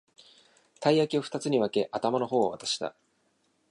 たい焼きをふたつに分け、頭の方を渡した